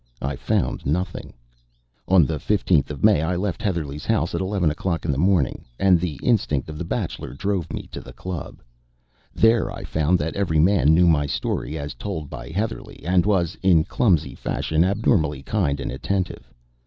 I found nothing. On the 15th of May, I left Heatherlegh's house at eleven o'clock in the morning; and the instinct of the bachelor drove me to the Club. There I found that every man knew my story as told by Heatherlegh, and was, in clumsy fashion, abnormally kind and attentive.